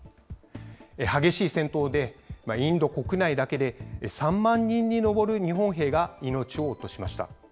激しい戦闘で、インド国内だけで３万人に上る日本兵が命を落としました。